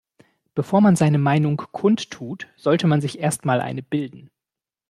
Bevor man seine Meinung kundtut, sollte man sich erst mal eine bilden.